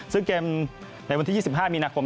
ซึ่งเกมในวันที่๒๕มีนาคม